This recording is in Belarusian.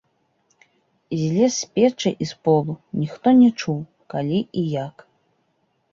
Злез з печы і з полу, ніхто не чуў, калі і як.